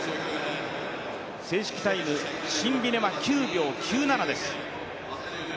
正式タイム、シンビネは９秒９７です。